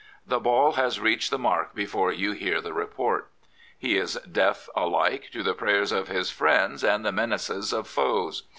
The ball has reached the mark before you hear the report. He is deaf alike to the prayers of friends and the menaces of foes.